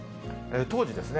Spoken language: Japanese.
当時ですね